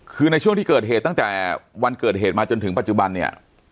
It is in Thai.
คือในช่วงที่เกิดเหตุตั้งแต่วันเกิดเหตุมาจนถึงปัจจุบันเนี่ย